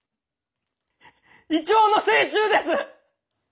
イチョウの精虫です！